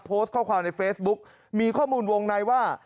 โพสต์ข้อความในเฟซบุ๊กมีข้อมูลวงในว่า